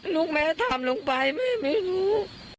ลูกแม่ทำลงไปแม่ไม่รู้